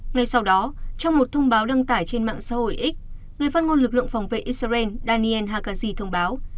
ngay sau đó trong một thông báo đăng tải trên mạng xã hội x người phát ngôn lực lượng phòng vệ israel daniel hakazi thông báo